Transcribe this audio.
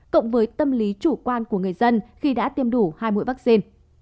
cộng với tâm lý chủ quan của người dân khi đã tiêm đủ hai mũi vaccine